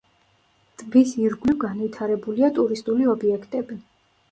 ტბის ირგვლივ განვითარებულია ტურისტული ობიექტები.